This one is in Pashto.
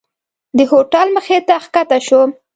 د هوټل مخې ته ښکته شوم.